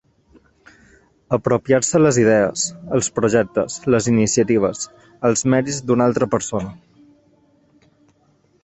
Apropiar-se les idees, els projectes, les iniciatives, els mèrits d'una altra persona.